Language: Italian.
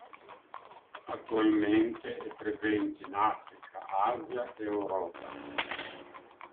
Attualmente è presente in Africa, Asia e Europa.